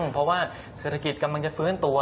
เพราะว่าเศรษฐกิจกำลังจะฟื้นตัว